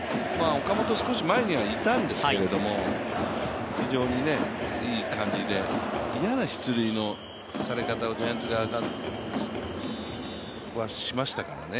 岡本、少し前にはいたんですけれども非常にいい感じで、嫌な出塁のされ方をジャイアンツ側はしましたからね。